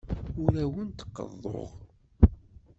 Ur awent-d-qeḍḍuɣ.